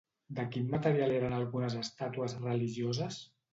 De quin material eren algunes estàtues religioses?